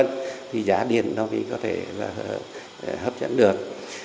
thì giá điện nó mới có thể là hấp dẫn được